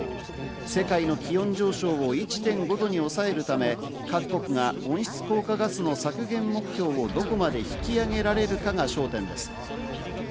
世界の気温上昇を１．５度に抑えるため、各国が温室効果ガスの削減目標をどこまで引き上げられるかが焦点です。